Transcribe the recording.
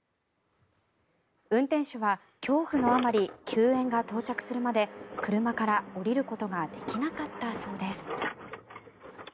運転手は恐怖のあまり救援が到着するまで車から降りることができなかったそうです。